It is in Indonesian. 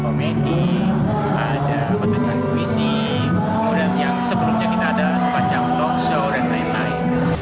comedy ada kata kata puisi kemudian yang sebelumnya kita ada sepanjang talkshow dan lain lain